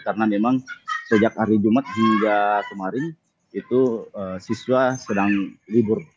karena memang sejak hari jumat hingga kemarin itu siswa sedang libur